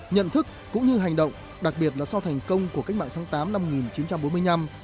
nhận thức cũng như hành động đặc biệt là sau thành công của cách mạng tháng tám năm một nghìn chín trăm bốn mươi năm